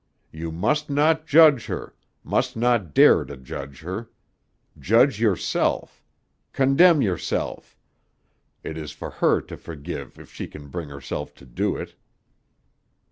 You must not judge her, must not dare to judge her. Judge yourself. Condemn yourself. It is for her to forgive if she can bring herself to do it."